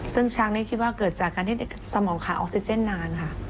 ซึ่งช้างนี้คิดว่าเกิดจากการที่สมองขาออกซิเจนนานค่ะ